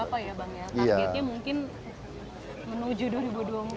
targetnya mungkin menuju dua ribu dua puluh empat itu